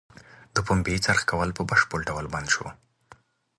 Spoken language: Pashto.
د پنبې څرخ کول په بشپړه ډول بند شو.